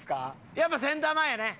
やっぱセンター前やね。